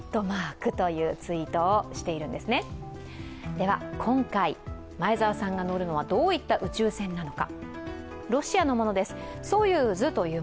では今回、前澤さんが乗るのはどういう宇宙船なのか。